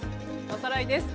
おさらいです。